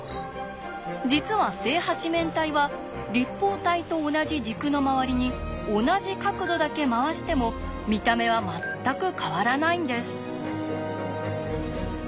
実は正八面体は立方体と同じ軸の周りに同じ角度だけ回しても見た目は全く変わらないんです。